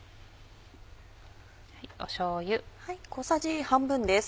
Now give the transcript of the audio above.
しょうゆ。